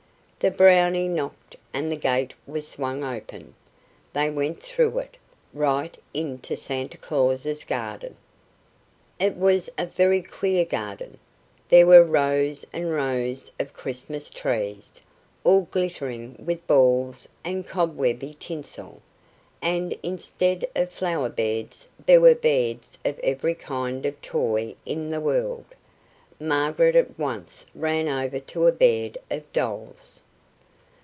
The Brownie knocked and the gate was swung open. They went through it, right into Santa Claus's garden. It was a very queer garden. There were rows and rows of Christmas trees, all glittering with balls and cobwebby tinsel, and instead of flower beds there were beds of every kind of toy in the world. Margaret at once ran over to a bed of dolls.